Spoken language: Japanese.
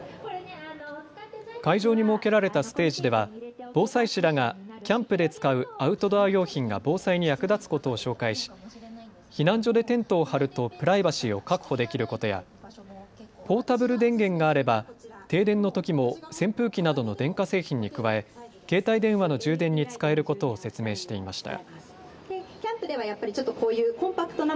会場に設けられたステージでは防災士らがキャンプで使うアウトドア用品が防災に役立つことを紹介し避難所でテントを張るとプライバシーを確保できることやポータブル電源があれば停電のときも扇風機などの電化製品に加え携帯電話の充電に使えることを説明していました。